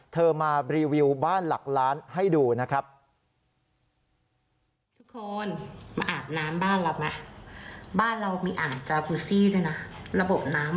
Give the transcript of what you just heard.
เธอมารีวิวบ้านหลักล้านให้ดูนะครับ